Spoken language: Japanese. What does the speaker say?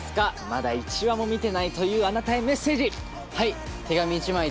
まだ１話も見てないというあなたへメッセージはい